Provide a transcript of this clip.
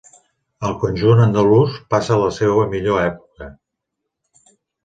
Al conjunt andalús passa la seua millor època.